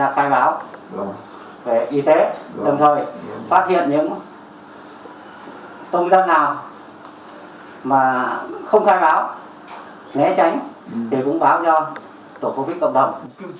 không khai báo nghe tránh để cũng báo cho tổ covid cộng đồng